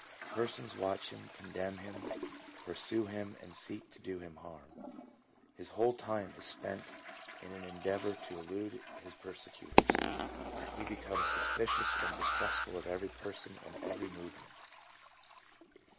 Persons watch him, condemn him, pursue him and seek to do him harm. His whole time is spent in an endeavour to elude his persecutors. He becomes suspicious and distrustful of every person, and of every movement.